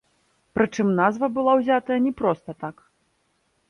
Прычым, назва была ўзятая не проста так.